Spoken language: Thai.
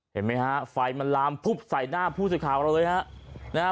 เห็นไหมฮะไฟมันลามพุบใส่หน้าผู้สื่อข่าวเราเลยฮะนะฮะ